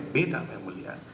beda yang mulia